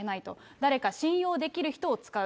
誰か信用できる人を使う。